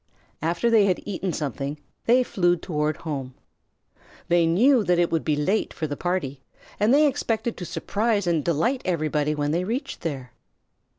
After they had eaten something they flew toward home. They knew that it would be late for the party, and they expected to surprise and delight everybody when they reached there.